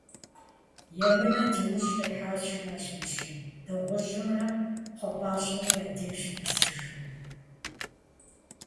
- Емынэр ди ужь къихьащ, - жиӏащ мыщэм, дыгъужьымрэ кхъуэпӏащэмрэ я деж нэсыжри.